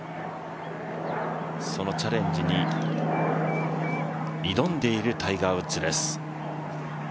そのチャレンジに挑んでいるタイガー・ウッズです。